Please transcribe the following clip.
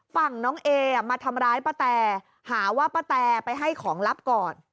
ฝั่งน้องเอมาทำร้ายป้าแตหาว่าป้าแตไปให้ของลับก่อน